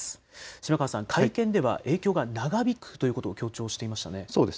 島川さん、会見では影響が長引くということを強調していましたね。